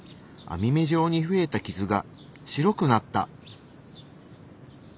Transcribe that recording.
網目状に増えた傷が白くなった。